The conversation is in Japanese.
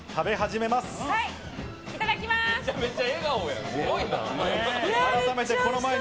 めちゃめちゃ笑顔やん。